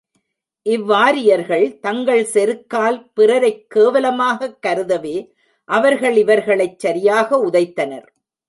இவ்வாரியர்கள் தங்கள் செருக்கால் பிறரைக் கேவலமாகக் கருதவே அவர்கள் இவர்களைச் சரியாக உதைத்தனர்.